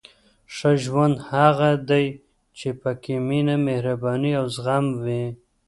• ښه ژوند هغه دی چې پکې مینه، مهرباني او زغم وي.